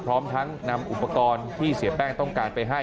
พร้อมทั้งนำอุปกรณ์ที่เสียแป้งต้องการไปให้